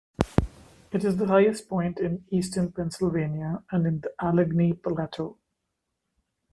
It is the highest point in Eastern Pennsylvania and in the Allegheny Plateau.